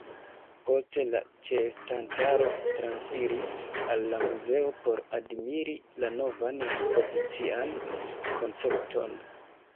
Poste la ĉeestantaro transiris al la muzeo por admiri la novan ekspozician koncepton.